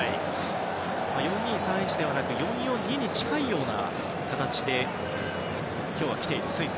４−２−３−１ではなく４−４−２に近いような形で今日は来ているスイス。